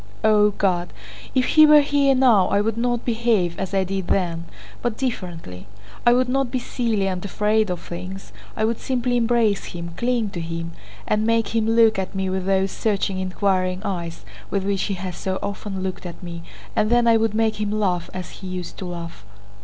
"O God, if he were here now I would not behave as I did then, but differently. I would not be silly and afraid of things, I would simply embrace him, cling to him, and make him look at me with those searching inquiring eyes with which he has so often looked at me, and then I would make him laugh as he used to laugh.